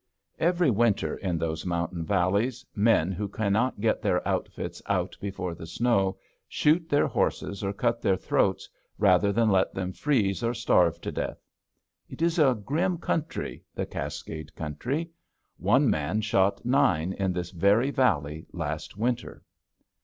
Every winter, in those mountain valleys, men who cannot get their outfits out before the snow shoot their horses or cut their throats rather than let them freeze or starve to death. It is a grim country, the Cascade country. One man shot nine in this very valley last winter.